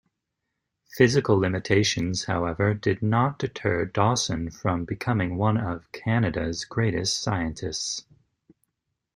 Physical limitations, however, did not deter Dawson from becoming one of Canada's greatest scientists.